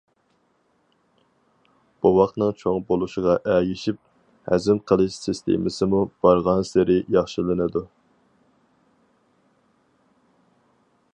بوۋاقنىڭ چوڭ بولۇشىغا ئەگىشىپ، ھەزىم قىلىش سىستېمىسىمۇ بارغانسېرى ياخشىلىنىدۇ.